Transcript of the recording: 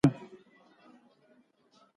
شیدې ډېرې ګرمې وې او خوله یې وسوځېده